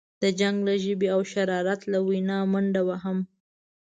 د جنګ له ژبې او شرارت له وینا منډه وهم.